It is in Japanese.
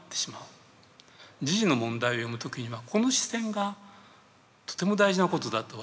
時事の問題を詠む時にはこの視線がとても大事なことだと私は思っています。